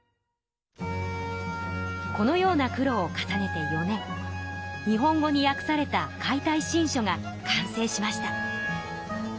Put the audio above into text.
このような苦労を重ねて４年日本語にやくされた「解体新書」が完成しました。